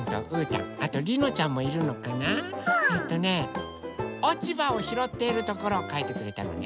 えとねおちばをひろっているところをかいてくれたのね。